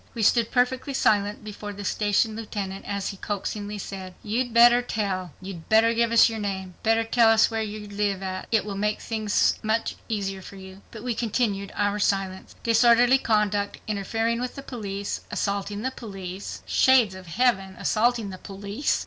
We stood perfectly silent before the station lieutenant as he coaxingly said, "You'd better tell."—"You'd better give us your name."—"You'd better tell us where you live—it will make things easier for you." But we continued our silence. Disorderly conduct, interfering with the police, assaulting the police (Shades of Heaven! assaulting the police!)